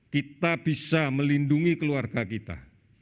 kita bisa melindungi keluarga kita